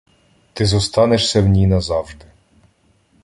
ти зостанешся в ній назавжди.